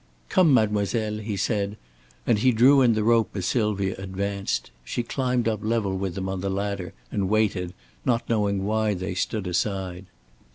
"Come, mademoiselle," he said, and he drew in the rope as Sylvia advanced. She climbed up level with them on the ladder and waited, not knowing why they stood aside.